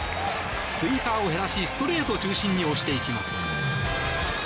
スイーパーを減らしストレート中心に押していきます。